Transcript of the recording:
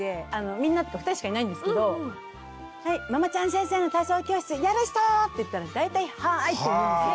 みんなって２人しかいないんですけど「はいママちゃん先生の体操教室やる人？」って言ったら大体「はい！」って言うんですよ。